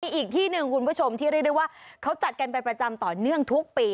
อีกที่หนึ่งคุณผู้ชมที่เรียกได้ว่าเขาจัดกันเป็นประจำต่อเนื่องทุกปี